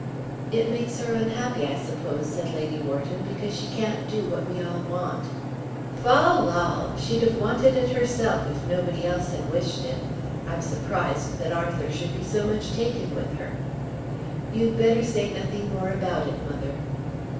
"It makes her unhappy, I suppose," said Lady Wharton, "because she can't do what we all want." "Fall, lall! She'd have wanted it herself if nobody else had wished it. I'm surprised that Arthur should be so much taken with her." "You'd better say nothing more about it, mother."